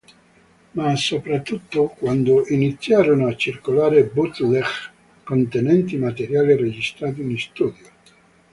Ma soprattutto quando iniziarono a circolare "bootleg" contenenti materiale registrato in studio.